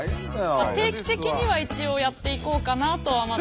定期的には一応やっていこうかなとは。